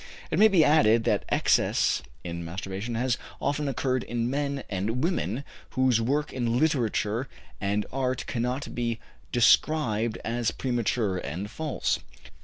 It may be added that excess in masturbation has often occurred in men and women whose work in literature and art cannot be described as premature and false.